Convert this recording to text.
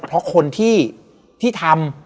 เพราะคนที่ทำ